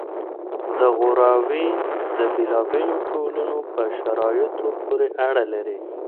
دا غوراوی د بیلا بیلو ټولنو په شرایطو پوري اړه لري.